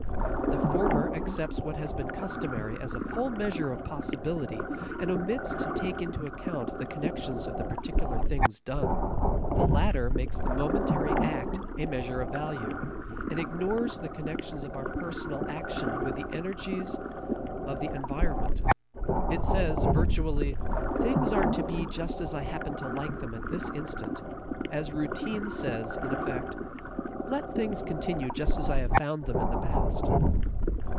The former accepts what has been customary as a full measure of possibility and omits to take into account the connections of the particular things done. The latter makes the momentary act a measure of value, and ignores the connections of our personal action with the energies of the environment. It says, virtually, "things are to be just as I happen to like them at this instant," as routine says in effect "let things continue just as I have found them in the past."